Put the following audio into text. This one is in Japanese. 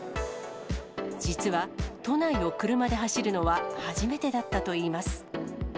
実は、都内を車で走るのは初めてだったといいます。